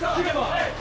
はい！